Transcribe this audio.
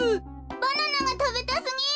バナナがたべたすぎる。